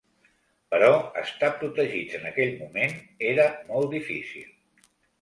Però estar protegits en aquell moment era molt difícil.